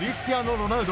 ロナウド。